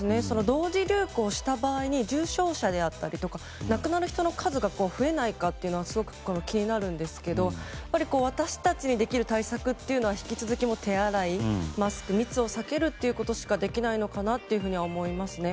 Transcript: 同時流行した場合に重症者であったり亡くなる人の数が増えないかがすごく気になるんですけどやっぱり、私たちにできる対策っていうのは引き続き手洗い、マスク密を避けるということしかできないのかなというふうには思いますね。